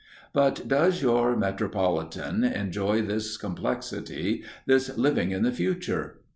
But does your metropolitan enjoy this complexity, this living in the future?